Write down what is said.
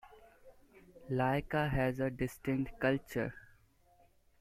Lika has a distinct culture.